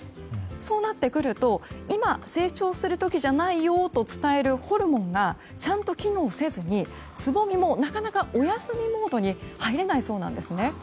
そうなってくると今、成長する時じゃないよと伝えるホルモンがちゃんと機能せずにつぼみもなかなかお休みモードに入れないそうなんですね。